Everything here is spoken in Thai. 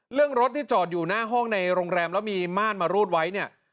เรื่องรถที่จอดอยู่หน้าห้องในโรงแรมแล้วมีม่านมารูดไว้เนี่ย